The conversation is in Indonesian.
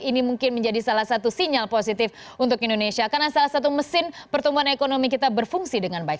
ini mungkin menjadi salah satu sinyal positif untuk indonesia karena salah satu mesin pertumbuhan ekonomi kita berfungsi dengan baik